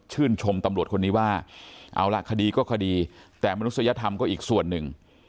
ชมตำรวจคนนี้ว่าเอาล่ะคดีก็คดีแต่มนุษยธรรมก็อีกส่วนหนึ่ง